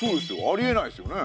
ありえないですよね。